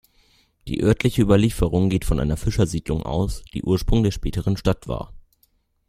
Die örtliche Überlieferung geht von einer Fischersiedlung aus, die Ursprung der späteren Stadt war.